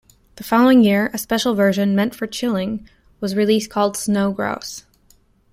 The following year a special version, meant for chilling, was released called Snow Grouse.